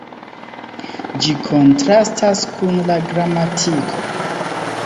Ĝi kontrastas kun la gramatiko.